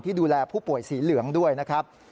ดูแลผู้ป่วยสีเหลืองด้วยนะครับ